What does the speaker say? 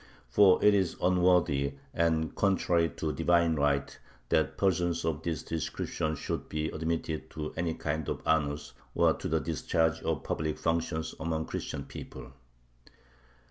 For it is unworthy and contrary to divine right that persons of this description should be admitted to any kind of honors or to the discharge of public functions among Christian people.